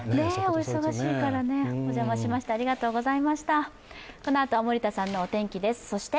お忙しいからね、お邪魔しましたありがとうございました。